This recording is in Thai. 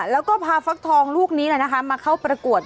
แล้วก็พาฟักทองลูกนี้มาเข้าประกวด